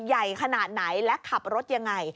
ใหญ่ขนาดไหนและขับรถยังไง